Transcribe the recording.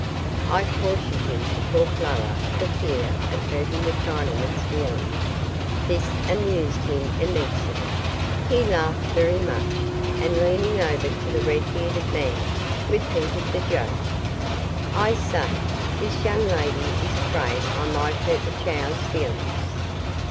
I cautioned him to talk lower for fear of hurting the Chinaman's feelings: this amused him immensely. He laughed very much, and, leaning over to the red bearded man, repeated the joke: "I say, this young lady is afraid I might hurt the chow's feelin's.